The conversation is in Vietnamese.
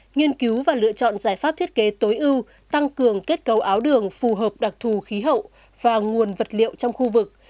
nghiên cứu và lựa chọn giải pháp thiết kế tối ưu tăng cường kết cấu áo đường phù hợp đặc thù khí hậu và nguồn vật liệu trong khu vực